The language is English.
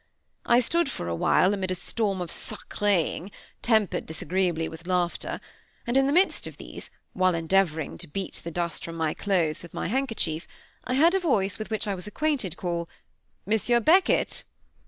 I stood for a while amid a storm of sacré ing, tempered disagreeably with laughter; and in the midst of these, while endeavoring to beat the dust from my clothes with my handkerchief, I heard a voice with which I was acquainted call, "Monsieur Beckett."